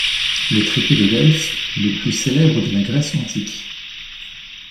Le trépied de Delphes est le plus célèbre de la Grèce antique.